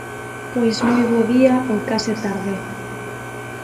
Pois moi bo día ou case tarde.